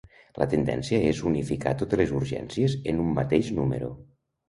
La tendència és unificar totes les urgències en un mateix número.